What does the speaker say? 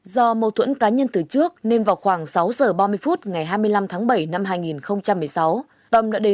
do mâu thuẫn cá nhân từ trước nên vào khoảng sáu giờ ba mươi phút ngày hai mươi năm tháng bảy năm hai nghìn một mươi sáu